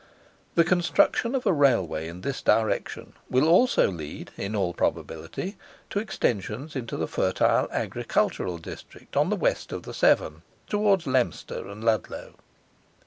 The construction of a Railway in this direction will also lead, in all probability, to extensions into the fertile agricultural district on the west of the Severn, towards Leominster and Ludlow.